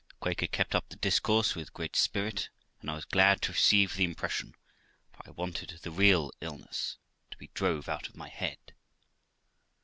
The [taker kept up the discourse with great spirit, and I was glad to receive e impression, for I wanted the real illness to be drove out of my head.